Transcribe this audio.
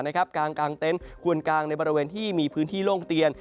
กลางเต็นต์ควรกางในบริเวณที่มีพื้นที่โล่งเตียน